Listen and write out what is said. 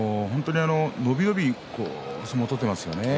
のびのびと相撲を取っていますね。